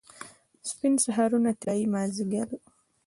سپین سهارونه، طلايي مازدیګر